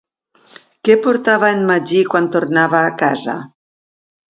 Què portava en Magí quan tornava a casa?